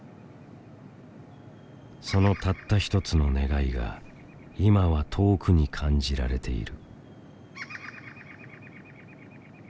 そのたった一つの願いが今は遠くに感じられている。